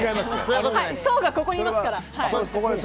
想がここにいますから。